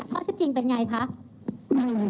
ข้อจริงเป็นไงคะ